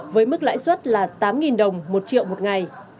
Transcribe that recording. với mức lãi suất là tám đồng một triệu một ngày